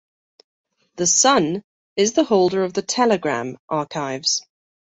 The "Sun" is the holder of the "Telegram" archives.